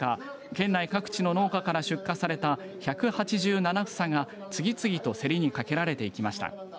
県内各地の農家から出荷された８７房が次々と競りにかけられてきました。